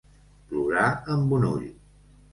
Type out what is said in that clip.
Plorar amb un ull.